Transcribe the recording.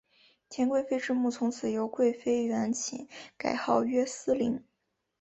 田贵妃之墓从此由贵妃园寝改号曰思陵。